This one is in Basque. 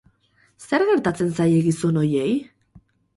Zer gertatzen zaie gizon horiei?